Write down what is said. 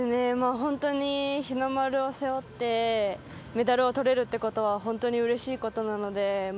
本当に日の丸を背負ってメダルをとれるってことはうれしいことなので。